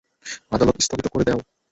আদালত স্থগিত করে দেও।